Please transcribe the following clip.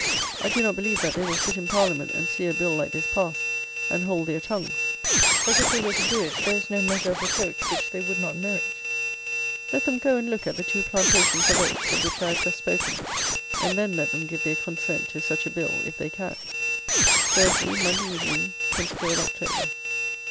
I do not believe that they will sit in Parliament and see a Bill like this passed and hold their tongues; but if they were to do it, there is no measure of reproach which they would not merit. Let them go and look at the two plantations of oaks, of which I have just spoken; and then let them give their consent to such a Bill if they can. _Thursley, Monday Evening, 23rd October.